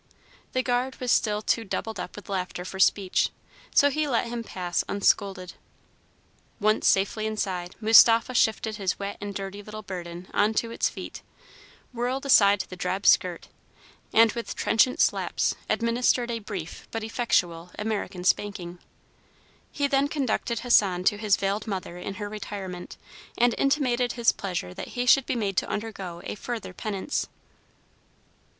The guard was still too doubled up with laughter for speech, so he let him pass unscolded. Once safely inside, Mustapha shifted his wet and dirty little burden on to its feet, whirled aside the drab skirt, and, with trenchant slaps, administered a brief but effectual American spanking. He then conducted Hassan to his veiled mother in her retirement, and intimated his pleasure that he should be made to undergo a further penance.